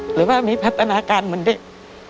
หรือว่ามีพัฒนาการเหมือนเด็ก